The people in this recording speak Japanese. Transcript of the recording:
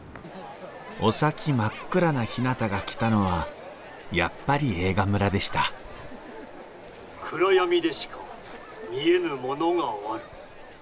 お先真っ暗なひなたが来たのはやっぱり映画村でした「暗闇でしか見えぬものがある」。